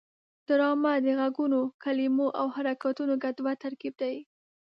ډرامه د غږونو، کلمو او حرکتونو ګډوډ ترکیب دی